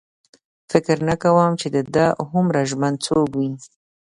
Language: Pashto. فکر نه کوم چې د ده هومره ژمن څوک و.